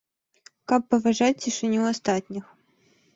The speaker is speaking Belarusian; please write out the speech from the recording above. Каб паважаць цішыню астатніх.